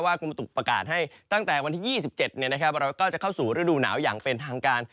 ว่ากรุงธุประกาศให้ตั้งแต่วันที่๒๗เนี่ยนะครับเราจะเข้าสู่ฤดุหนาวอย่างเป็นทางการ